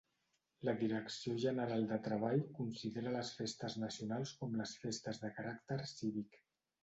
La Direcció General de Treball considera les festes nacionals com les festes de caràcter cívic.